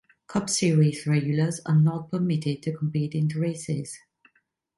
Cup Series regulars are not permitted to compete in the races.